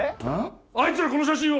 あいつらこの写真を！